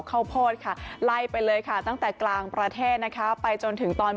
ข้าวโพดค่ะไล่ไปเลยค่ะตั้งแต่กลางประเทศนะคะไปจนถึงตอน